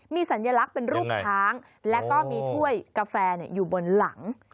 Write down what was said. มีสัญลักษณ์เป็นรูปช้างแล้วก็มีถ้วยกาแฟอยู่บนหลัง